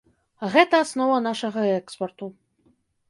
А гэта аснова нашага экспарту.